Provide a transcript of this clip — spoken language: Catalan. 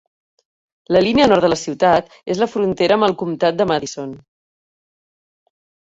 La línia nord de la ciutat és la frontera amb el comtat de Madison.